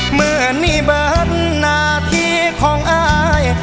เหมือนในบัตรหน้าที่ของอ้าย